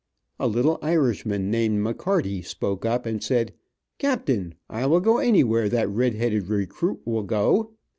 A little Irishman named McCarty spoke up, and said, "Captain, I will go anywhere that red headed recruit will go."